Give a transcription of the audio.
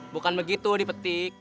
bukan begitu dipetik